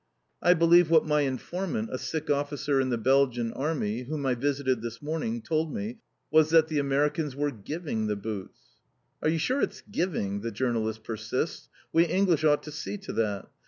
"I believe what my informant, a sick officer in the Belgian Army, whom I visited this morning, told me was that the Americans were giving the boots." "Are you sure it's giving?" the journalist persists. "We English ought to see to that.